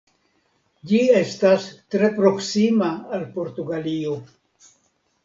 Ĝi estas tre proksima al Portugalio.